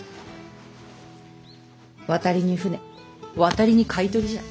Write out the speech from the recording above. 渡りに船渡りにかいとりじゃ。